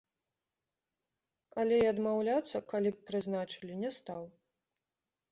Але і адмаўляцца, калі б прызначылі, не стаў.